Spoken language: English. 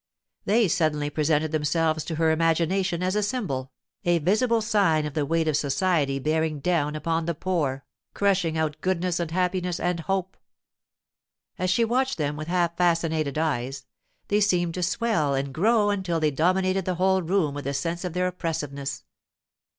They suddenly presented themselves to her imagination as a symbol, a visible sign of the weight of society bearing down upon the poor, crushing out goodness and happiness and hope. As she watched them with half fascinated eyes, they seemed to swell and grow until they dominated the whole room with the sense of their oppressiveness.